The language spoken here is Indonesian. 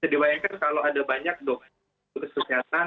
jadi bayangkan kalau ada banyak dokter kesehatan